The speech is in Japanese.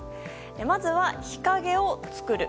まずは日陰を作る。